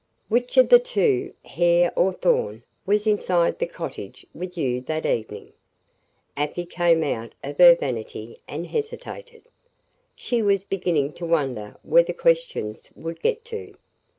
"Which of the two, Hare or Thorn, was inside the cottage with you that evening?" Afy came out of her vanity and hesitated. She was beginning to wonder where the questions would get to.